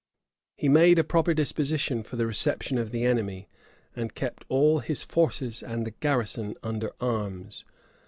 He made a proper disposition for the reception of the enemy, and kept all his forces and the garrison under arms.